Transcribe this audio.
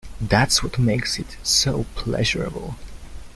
That's what makes it so pleasurable.